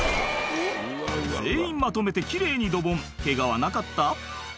全員まとめて奇麗にドボンケガはなかった？